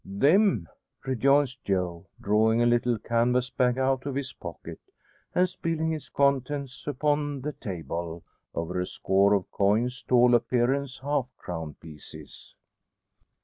"Them!" rejoins Joe, drawing a little canvas bag out of his pocket, and spilling its contents upon the table over a score of coins to all appearance half crown pieces.